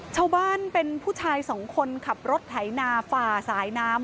ชาวบ้านเป็นผู้ชายสองคนขับรถไถนาฝ่าสายน้ำ